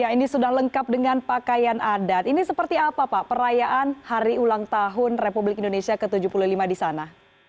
ini sudah lengkap dengan pakaian adat ini seperti apa pak perayaan hari ulang tahun republik indonesia ke tujuh puluh lima di sana